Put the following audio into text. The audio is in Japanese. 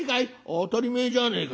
「当たり前じゃねえか。